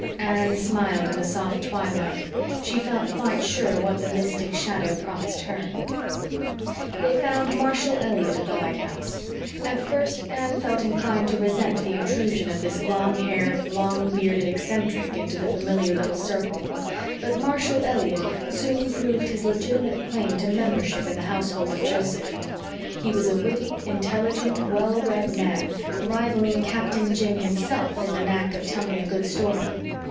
Anne smiled in the soft twilight; she felt quite sure what the mystic shadow promised her. They found Marshall Elliott at the lighthouse. At first Anne felt inclined to resent the intrusion of this long haired, long bearded eccentric into the familiar little circle. But Marshall Elliott soon proved his legitimate claim to membership in the household of Joseph. He was a witty, intelligent, well read man, rivalling Captain Jim himself in the knack of telling a good story.